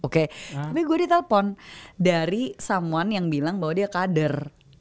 tapi gue di telpon dari someone yang bilang bahwa dia kader